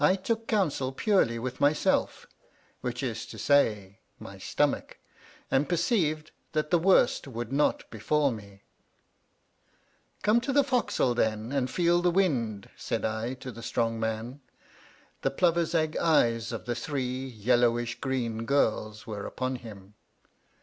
I took eomisel purely with myself, which is to say, my stomach, and perceived that the worst would not befall me. Come to the fo'c'sle, then, and feel the wind," said I to the strong man. The plover's egg eyes of three yellowish green girls were upon him.